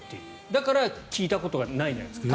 だから、聞いたことがないんじゃないですか。